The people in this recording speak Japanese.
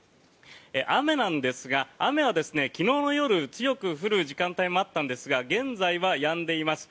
雨なんですが、雨は昨日の夜強く降る時間帯もあったんですが現在はやんでいます。